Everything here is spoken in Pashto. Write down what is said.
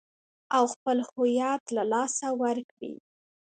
او خپل هويت له لاسه ور کړي .